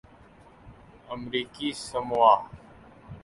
امریکی ساموآ